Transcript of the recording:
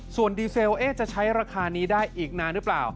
ส่วนดีเซลจะใช้ราคานี้ได้อีกนานหรือเปล่า